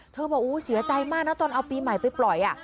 บอกเสียใจมากนะตอนเอาปีใหม่ไปปล่อย